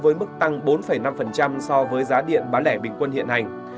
với mức tăng bốn năm so với giá điện bán lẻ bình quân hiện hành